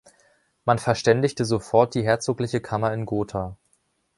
Man verständigte sofort die Herzogliche Kammer in Gotha.